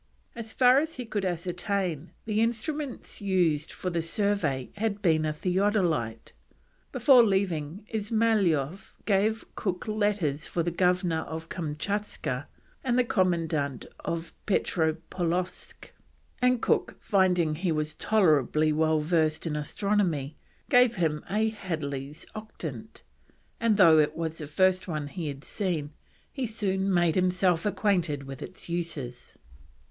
As far as he could ascertain, the instrument used for the survey had been the theodolite. Before leaving, Ismailoff gave Cook letters for the Governor of Kamtschatka and the Commandant of Petropaulowsk; and Cook, finding "he was tolerably well versed in astronomy," gave him a Hadley's octant, and though it was the first one he had seen, he soon made himself acquainted with its uses.